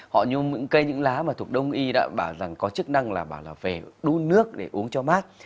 họ mua những lá thuộc đông y đã bảo rằng có chức năng là về đun nước để uống cho mát